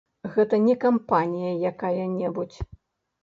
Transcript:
Гэта не кампанія якая-небудзь.